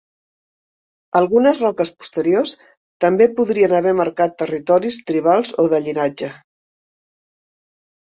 Algunes roques posteriors també podrien haver marcar territoris tribals o de llinatge.